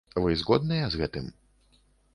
Вы згодныя з гэтым?